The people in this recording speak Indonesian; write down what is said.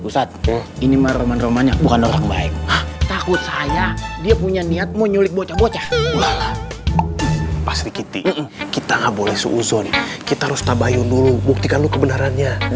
sampai jumpa di video selanjutnya